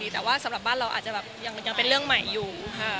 แต่ว่าสำหรับบ้านเราอาจจะแบบยังเป็นเรื่องใหม่อยู่